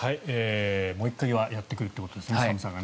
もう一回やってくるということですね、寒さがね。